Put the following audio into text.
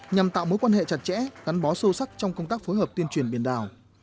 nhằm tạo mối quan hệ chặt chẽ gắn bó sâu sắc trong công tác phối hợp tuyên truyền biển đảo